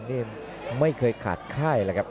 ที่ไม่เคยขาดค่าย